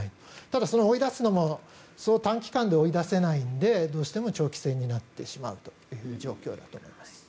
ただ、追い出すのもそう短期間で追い出せないのでどうしても長期戦になってしまうという状況だと思います。